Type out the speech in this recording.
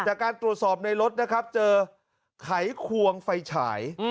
จากการตรวจสอบในรถนะครับเจอไขควงไฟฉาย